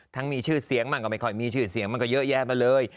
มีชื่อเสียงบ้างก็ไม่ค่อยมีชื่อเสียงมันก็เยอะแยะไปเลย